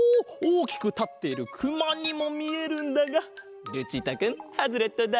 おおきくたっているくまにもみえるんだがルチータくんハズレットだ！